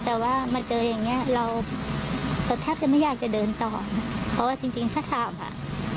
แต่ว่ามาเจออย่างเงี้ยเราก็แทบจะไม่อยากจะเดินต่อเพราะว่าจริงจริงถ้าขับอ่ะ